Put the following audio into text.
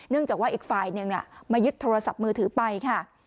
จากว่าอีกฝ่ายหนึ่งมายึดโทรศัพท์มือถือไปค่ะ